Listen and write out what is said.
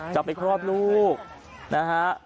จะไปคลอดลูกนะฮะ